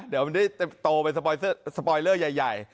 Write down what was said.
เดี๋ยวมันได้โตไปสปอยเซอร์สปอยเลอร์ใหญ่ใหญ่